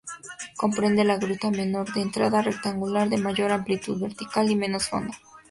Comprende la Gruta "Menor" de entrada rectangular, de mayor amplitud vertical y menos fondo.